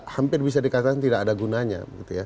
hampir bisa dikatakan tidak ada gunanya